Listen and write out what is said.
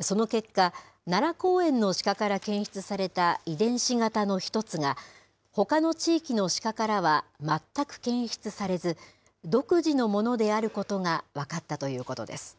その結果、奈良公園のシカから検出された遺伝子型の１つが、ほかの地域のシカからは全く検出されず、独自のものであることが分かったということです。